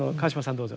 どうぞ。